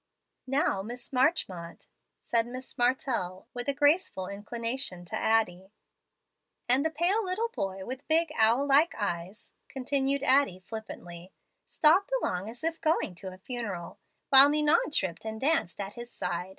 "Now, Miss Marchmont," said Miss Martell, with a graceful inclination to Addie. "And the pale little boy, with big, owl like eyes," continued Addie, flippantly, "stalked along as if going to a funeral, while Ninon tripped and danced at his side.